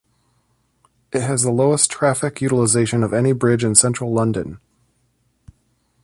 It has the lowest traffic utilisation of any bridge in central London.